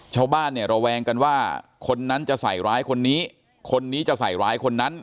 ชาวบ้านเนี่ยระแวงกันว่าคนนั้นจะใส่ร้ายคนนี้คนนี้จะใส่ร้ายคนนั้น